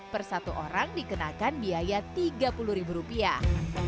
per satu orang dikenakan biaya tiga puluh ribu rupiah